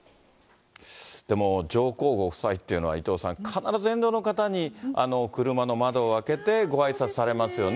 でも上皇ご夫妻っていうのは、伊藤さん、必ず沿道の方に車の窓を開けてごあいさつされますよね。